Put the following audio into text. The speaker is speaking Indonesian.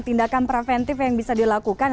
tindakan preventif yang bisa dilakukan